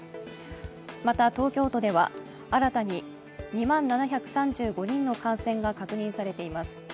また東京都では、新たに２万７３５人の感染が確認されています。